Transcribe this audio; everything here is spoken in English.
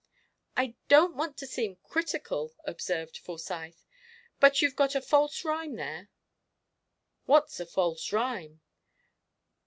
"I don't want to seem critical," observed Forsyth; "but you've got a false rhyme there." "What's a 'false rhyme'?"